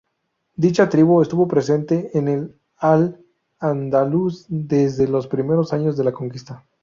Dicha tribu estuvo presente en Al-Ándalus desde los primeros años de la conquista.